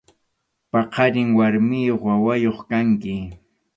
Paqariq warmiyuq wawayuq kanki.